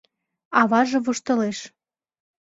— Аваже воштылеш.